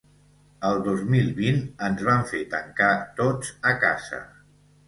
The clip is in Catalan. Al dos mil vint ens van fer tancar tots a casa